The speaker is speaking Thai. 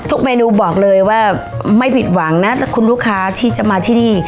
เมนูบอกเลยว่าไม่ผิดหวังนะถ้าคุณลูกค้าที่จะมาที่นี่